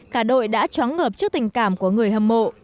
cả đội đã chóng ngợp trước tình cảm của người hâm mộ